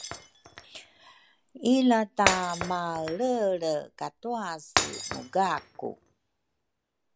ilata maelreelre katuase mugaku.